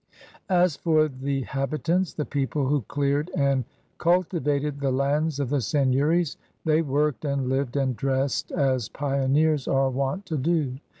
As for the habitants, the people who cleared and cultivated the lands of the seigneuries, they worked and lived and dressed as pioneers are wont to do.